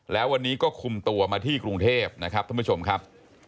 แล้ววันนี้ก็คุมตัวมาที่กรุงเทพนะครับท่านผู้ชมครับ